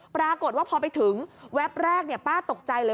ปรากฏว่าพอไปถึงแวบแรกป้าตกใจเลย